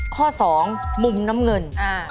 ข้อ๒มุมน้ำเงิน